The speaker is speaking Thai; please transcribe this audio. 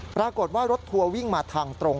ปรากฏว่ารถทัวร์วิ่งมาทางตรง